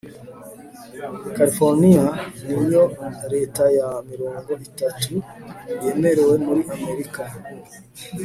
californiya niyo leta ya mirongo itatu yemerewe muri amerika